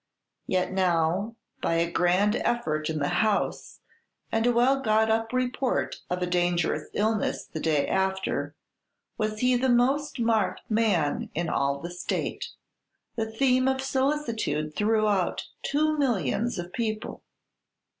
Yet now, by a grand effort in the "House," and a well got up report of a dangerous illness the day after, was he the most marked man in all the state, the theme of solicitude throughout two millions of people!